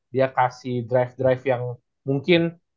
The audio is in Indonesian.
dia kasih drive drive yang mungkin